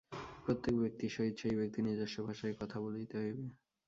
প্রত্যেক ব্যক্তির সহিত সেই ব্যক্তির নিজস্ব ভাষায় কথা বলিতে হইবে।